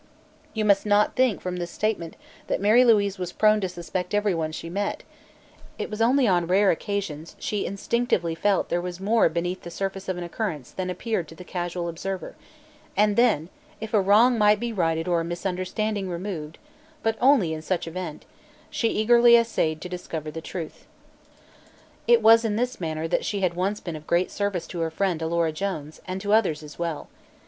You must not think, from this statement, that Mary Louise was prone to suspect everyone she met; it was only on rare occasions she instinctively felt there was more beneath the surface of an occurrence than appeared to the casual observer, and then, if a wrong might be righted or a misunderstanding removed but only in such event she eagerly essayed to discover the truth. It was in this manner that she had once been of great service to her friend Alora Jones, and to others as well.